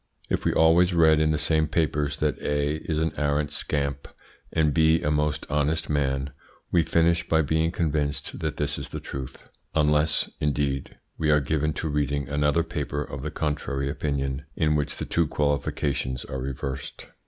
If we always read in the same papers that A is an arrant scamp and B a most honest man we finish by being convinced that this is the truth, unless, indeed, we are given to reading another paper of the contrary opinion, in which the two qualifications are reversed.